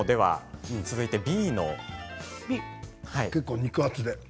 結構肉厚で。